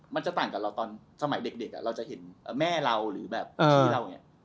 มันจะต่างกับเราตอนสมัยเด็กเราจะเห็นแม่เราหรือแบบพี่เราอย่างนี้